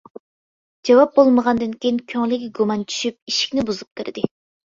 جاۋاب بولمىغاندىن كېيىن كۆڭلىگە گۇمان چۈشۈپ ئىشىكنى بۇزۇپ كىردى.